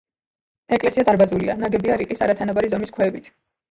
ეკლესია დარბაზულია ნაგებია რიყის, არათანაბარი ზომის ქვებით.